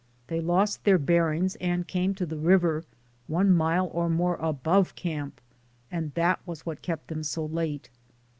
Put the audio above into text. They lost their bearings and came to the river, one mile or more above camp, and that was what kept them so late.